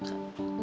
kok gitu bi